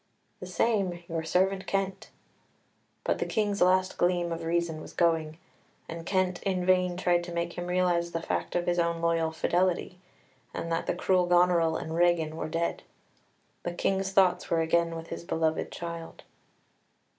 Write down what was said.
"The same your servant Kent." But the King's last gleam of reason was going, and Kent in vain tried to make him realise the fact of his own loyal fidelity, and that the cruel Goneril and Regan were dead. The King's thoughts were again with his beloved child.